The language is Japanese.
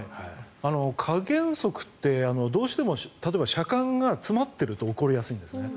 加減速ってどうしても例えば、車間が詰まってると怒りやすいんです。